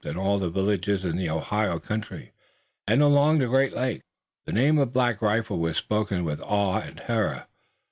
In all the villages in the Ohio country and along the Great Lakes, the name of Black Rifle was spoken with awe and terror.